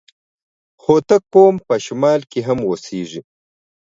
هوتک قوم په شمال کي هم اوسېږي.